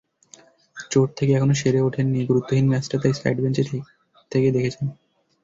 চোট থেকে এখনো সেরে ওঠেননি, গুরুত্বহীন ম্যাচটা তাই সাইডবেঞ্চ থেকেই দেখেছেন।